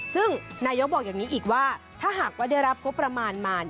ซึ่งนายกบอกอย่างนี้อีกว่าถ้าหากว่าได้รับงบประมาณมา